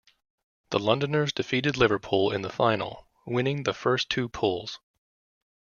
The Londoners defeated Liverpool in the final, winning the first two pulls.